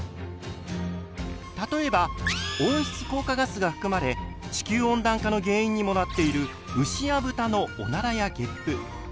例えば温室効果ガスが含まれ地球温暖化の原因にもなっている牛や豚のおならやげっぷ。